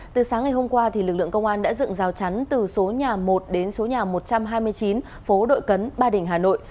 từ sáng ngày hôm qua lực lượng công an đã dựng rào chắn từ số nhà một đến số nhà một trăm hai mươi chín phố đội cấn ba đình hà nội